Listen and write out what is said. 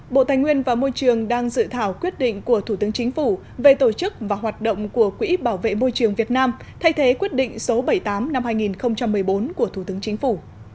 bộ tài nguyên và môi trường đang dự thảo quyết định của thủ tướng chính phủ về tổ chức và hoạt động của quỹ bảo vệ môi trường việt nam thay thế quyết định số bảy mươi tám năm hai nghìn một mươi bốn của thủ tướng chính phủ